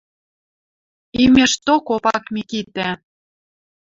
Имешток Опак Микитӓ